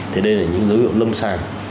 thì đây là những dấu hiệu lâm sàng